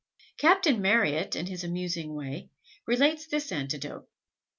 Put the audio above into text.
Captain Marryat, in his amusing way, relates this anecdote.